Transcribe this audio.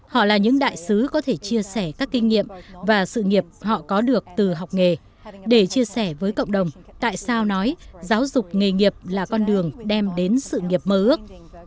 họ là những đại sứ có thể chia sẻ các kinh nghiệm và sự nghiệp họ có được từ học nghề để chia sẻ với cộng đồng tại sao nói giáo dục nghề nghiệp là con đường đem đến sự nghiệp mơ ước